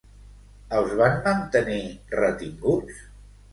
Els van mantenir retinguts?